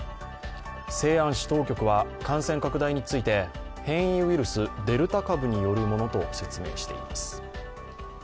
西安市当局は、感染拡大について変異ウイルス、デルタ株によるものと説明しています。